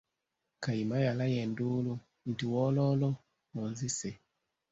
Kayima yalaya enduulu nti, "Wooloolo, onzise."